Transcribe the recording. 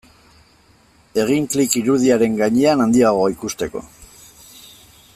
Egin klik irudiaren gainean handiagoa ikusteko.